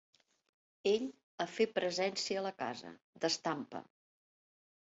Ell, a fer presencia a la casa; d'estampa